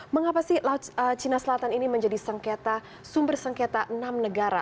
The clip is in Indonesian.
mengapa sih laut cina selatan ini menjadi sengketa sumber sengketa enam negara